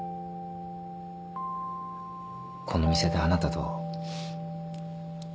この店であなたと。